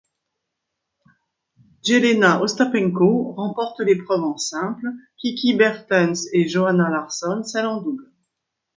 Jeļena Ostapenko remporte l'épreuve en simple, Kiki Bertens et Johanna Larsson celle en double.